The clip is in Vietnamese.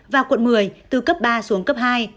và quận một mươi từ cấp ba xuống cấp hai